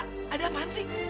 ra ada apaan sih